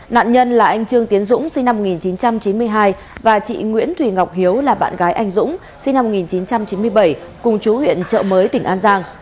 nạn nhân là anh trương tiến dũng sinh năm một nghìn chín trăm chín mươi hai và chị nguyễn thùy ngọc hiếu là bạn gái anh dũng sinh năm một nghìn chín trăm chín mươi bảy cùng chú huyện trợ mới tỉnh an giang